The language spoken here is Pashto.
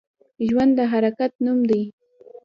ژوند د حرکت نوم دی